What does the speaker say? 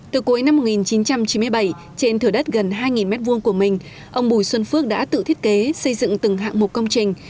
từ cuối năm một nghìn chín trăm chín mươi bảy trên thửa đất gần hai m hai của mình ông bùi xuân phước đã tự thiết kế xây dựng từng hạng mục công trình